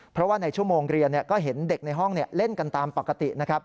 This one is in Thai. เพราะว่าในชั่วโมงเรียนก็เห็นเด็กในห้องเล่นกันตามปกตินะครับ